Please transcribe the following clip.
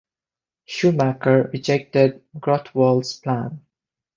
Schumacher rejected Grotewohl's plan.